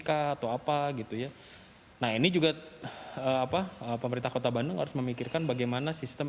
kah atau apa gitu ya nah ini juga apa pemerintah kota bandung harus memikirkan bagaimana sistem